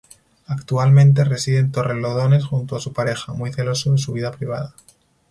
Actualmente reside en Torrelodones junto a su pareja, muy celoso de su vida privada.